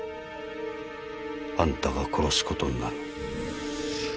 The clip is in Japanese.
あんたが殺す事になる。